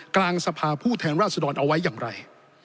กลางสภาผู้แทนราชดรเอาไว้อย่างไร